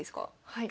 はい。